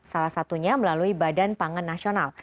salah satunya melalui badan pangan nasional